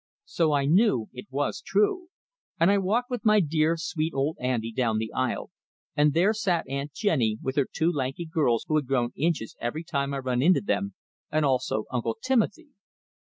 So I knew it was true, and I walked with my dear, sweet old auntie down the aisle, and there sat Aunt Jennie, with her two lanky girls who have grown inches every time I run into them; and also Uncle Timothy.